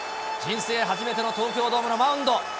人生初めての東京ドームのマウンド。